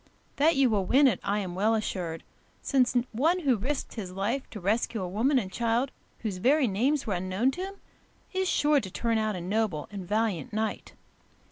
That you will win it I am well assured, since one who risked his life to rescue a woman and child whose very names were unknown to him is sure to turn out a noble and valiant knight.